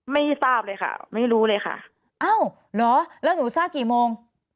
ไม่ให้ทราบเลยค่ะไม่รู้เลยค่ะเอ้าเหรอแล้วหนูทราบกี่โมง